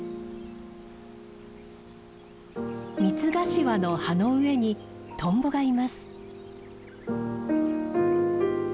ミツガシワの葉の上にトンボがいます。